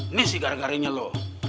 ini sih gara garinya lo